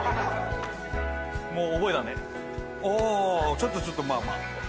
ちょっとちょっとまあまあ。